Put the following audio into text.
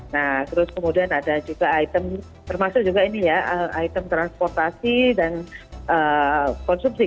nah terus kemudian ada juga item termasuk juga ini ya item transportasi dan konsumsi